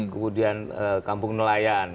kemudian kampung nelayan